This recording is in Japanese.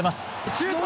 シュート。